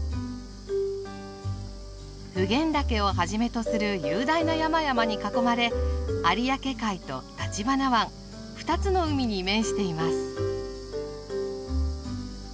普賢岳をはじめとする雄大な山々に囲まれ有明海と橘湾２つの海に面しています。